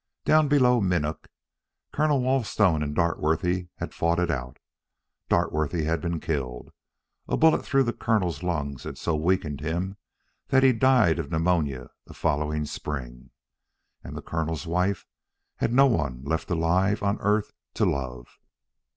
Down below Minook, Colonel Walthstone and Dartworthy had fought it out. Dartworthy had been killed. A bullet through the Colonel's lungs had so weakened him that he died of pneumonia the following spring. And the Colonel's wife had no one left alive on earth to love.